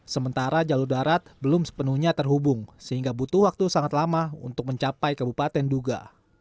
sementara jalur darat belum sepenuhnya terhubung sehingga butuh waktu sangat lama untuk mencapai kabupaten duga